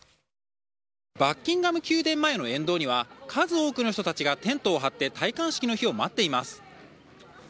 バッキンガム宮殿前の沿道には数多くの人たちがテントを張って戴冠式の日を待っています。